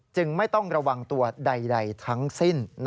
จึงไม่ต้องระวังตัวใดทั้งสิ้น